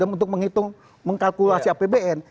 untuk menghitung mengkalkulasi apbn